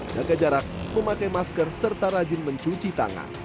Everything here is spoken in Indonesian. jaga jarak memakai masker serta rajin mencuci tangan